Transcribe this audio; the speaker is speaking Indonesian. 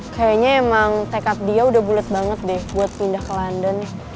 kayaknya emang tekad dia udah bulat banget deh buat pindah ke london